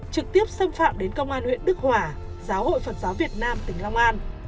trực tiếp xâm phạm đến công an huyện đức hòa giáo hội phật giáo việt nam tỉnh long an